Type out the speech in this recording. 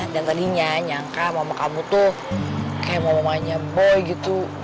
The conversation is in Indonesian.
dan tadinya nyangka mama kamu tuh kayak mamanya boy gitu